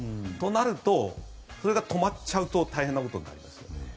となると、それが止まっちゃうと大変なことになります。